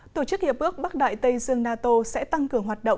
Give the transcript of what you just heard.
tổ chức hiệp ước bắc đại tây dương nato sẽ tăng cường hoạt động